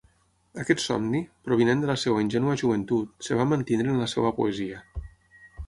Aquest somni, provinent de la seua ingènua joventut, es va mantenir en la seua poesia.